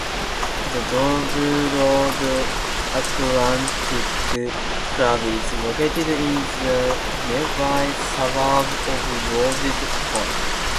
The Dobroyd Aquatic Club is located in the nearby suburb of Rodd Point.